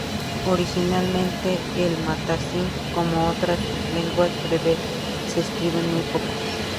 Originalmente el tamazight, como otras lenguas bereberes, se escribía muy poco.